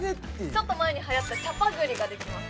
ちょっと前にはやったチャパグリができます